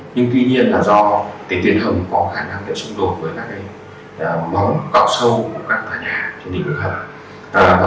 nhưng tuy nhiên là do cái tuyển hầm có khả năng để xung đột với các cái móng gọt sâu của các tòa nhà trên địa phương hầm